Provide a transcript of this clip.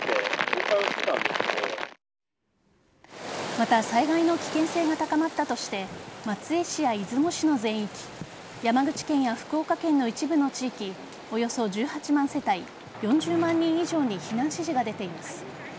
また災害の危険性が高まったとして松江市や出雲市の全域山口県や福岡県の一部の地域およそ１８万世帯４０万人以上に避難指示が出ています。